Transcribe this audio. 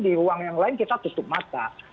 di ruang yang lain kita tutup mata